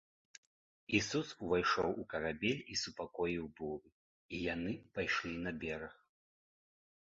Ісус увайшоў у карабель і супакоіў буру, і яны пайшлі на бераг.